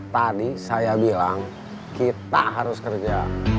tadi saya bilang kita harus kerja